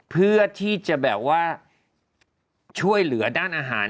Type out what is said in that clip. เพื่อที่จะแบบว่าช่วยเหลือด้านอาหาร